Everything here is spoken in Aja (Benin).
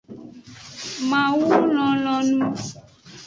Mawu lonlonu.